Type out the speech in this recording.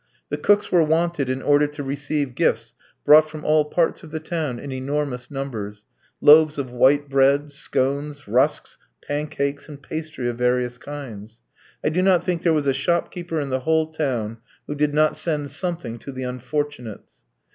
The cooks were wanted in order to receive gifts brought from all parts of the town in enormous numbers; loaves of white bread, scones, rusks, pancakes, and pastry of various kinds. I do not think there was a shop keeper in the whole town who did not send something to the "unfortunates."